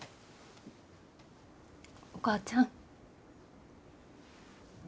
お母ちゃん。